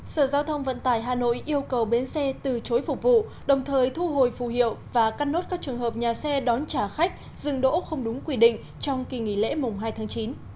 sở giao thông vận tải hà nội yêu cầu bến xe từ chối phục vụ đồng thời thu hồi phù hiệu và cắt nốt các trường hợp nhà xe đón trả khách dừng đỗ không đúng quy định trong kỳ nghỉ lễ mùng hai tháng chín